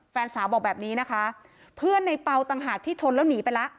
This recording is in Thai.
แฟนสาวบอกแบบนี้นะคะเพื่อนในเปล่าต่างหากที่ชนแล้วหนีไปแล้ว